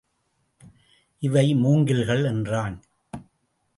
இவை மூங்கில்கள் என்றான்.